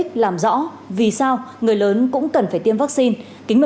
thưa bác sĩ vì sao người lớn cũng cần tiêm vaccine